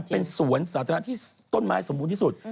เป็นสวนสาธารณะที่ต้นไม้สมบูรณ์ที่สุด